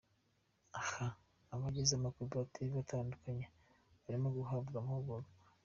Aha abagize amakoperative atandukanye barimo guhabwa amahugurwa.